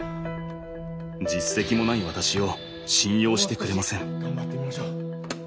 実績もない私を信用してくれません。